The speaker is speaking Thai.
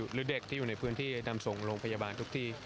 หรือเด็กที่อยู่ในพื้นที่นำส่งโรงพยาบาลทุกที่